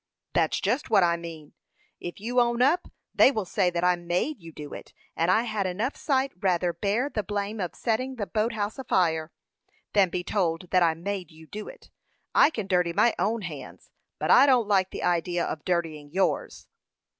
"That's just what I mean. If you own up, they will say that I made you do it; and I had enough sight rather bear the blame of setting the boat house afire, than be told that I made you do it. I can dirty my own hands, but I don't like the idea of dirtying yours."